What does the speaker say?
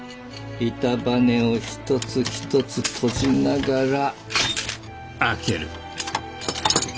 板ばねを一つ一つ閉じながら開ける。